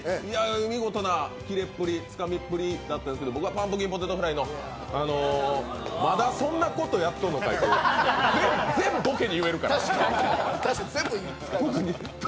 見事なキレっぷりつかみっぷりだったですけど僕はパンプキンポテトフライの「まだそんなことやっとんのかい」って全部全ボケに言えるから確かに確かに全部に使えます